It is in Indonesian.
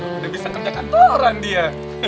sudah bisa kerja kantoran dia